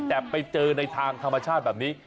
แต่ไปเจอในทางธรรมชาติแบบนี้